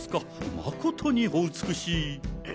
まことにお美しい！